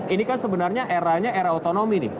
ini kan sebenarnya era nya era otonomi nih